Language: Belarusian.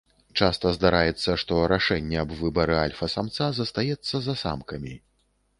Часта здараецца, што рашэнне аб выбары альфа-самца застаецца за самкамі.